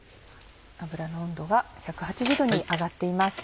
油の温度が１８０℃に上がっています。